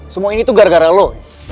semua ini tuh gara gara lo